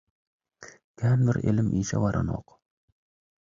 Kän bir elim işe baranok.